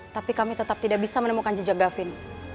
tapi kami tetap tidak bisa menemukan jejak gavin